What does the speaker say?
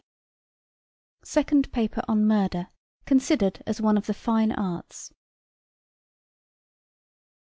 SECOND PAPER ON MURDER, CONSIDERED AS ONE OF THE FINE ARTS.